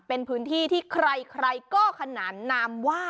เป็นพื้นที่ที่ใครก็ขนานนามว่า